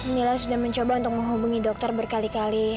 mila sudah mencoba untuk menghubungi dokter berkali kali